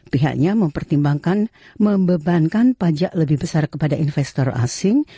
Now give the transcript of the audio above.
pemerintah new south wales telah mengajak lebih besar kepada investor asing